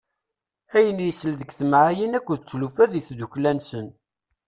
Ayen yessal deg timɛayin akked tlufa deg tddukli-nsen.